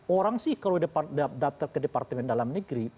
orang sih kalau daftar ke departemen dalam negeri